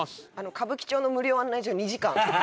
歌舞伎町の無料案内所２時間。